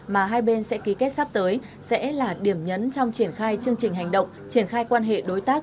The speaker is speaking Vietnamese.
mà hai bên sẽ ký kết sắp tới sẽ là điểm nhấn trong triển khai chương trình hành động triển khai quan hệ đối tác